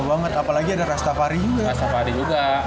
apalagi ada rastafari juga